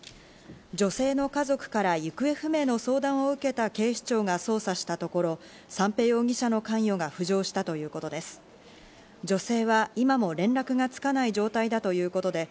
女性の家族から行方不明の相談を受けた警視庁が捜査したところ、三瓶容疑者の関与が浮上したということです。